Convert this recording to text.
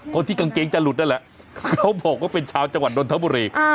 กางเกงจะหลุดนั่นแหละเขาบอกว่าเป็นชาวจังหวัดนทบุรี